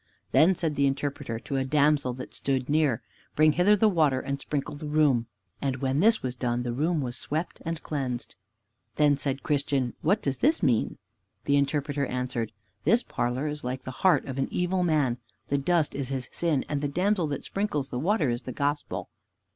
Then said the Interpreter to a damsel that stood near, "Bring hither the water and sprinkle the room." And when this was done the room was swept and cleansed. Then said Christian, "What does this mean?" The Interpreter answered, "This parlor is like the heart of an evil man. The dust is his sin, and the damsel that sprinkles the water is the Gospel."